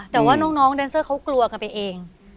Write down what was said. แต่ว่าน้องแดนเซอร์เขากลัวกันไปเอง